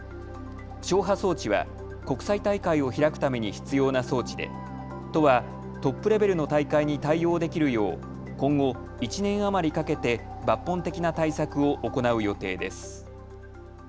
消波装置は国際大会を開くために必要な装置で都はトップレベルの大会に対応できるよう今後１年余りかけて抜本的な対策を行う予定です。